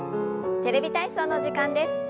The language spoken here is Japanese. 「テレビ体操」の時間です。